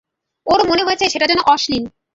ওর মনে হয়েছে সেটা যেন অশ্লীল।